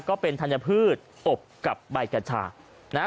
ก็เป็นธัญพืชอบกับใบกัญชานะฮะ